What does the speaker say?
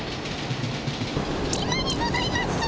今にございます！